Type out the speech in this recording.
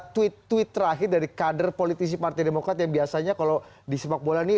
tweet tweet terakhir dari kader politisi partai demokrat yang biasanya kalau di sepak bola ini